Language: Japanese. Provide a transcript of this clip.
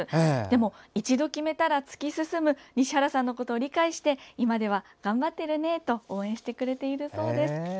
でも一度決めたら突き進む西原さんのことを理解して今では頑張ってるねと応援してくれてるそうです。